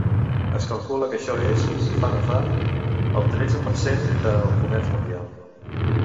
Es calcula que això és, si fa no fa, el tretze per cent del comerç mundial.